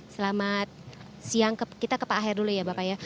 selamat siang kita ke pak aher dulu ya bapak ya